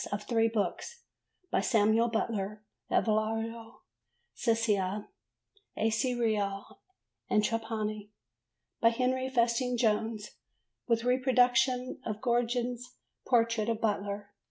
of three books by Samuel Butler at Varallo Sesia, Aci Reale and Trapani) by Henry Festing Jones, with reproduction of Gogin's portrait of Butler.